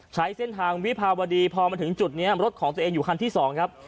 ใช้เส้นทางวิภาวดีพอมาถึงจุดนี้รถของตัวเองอยู่คันที่๒ครับ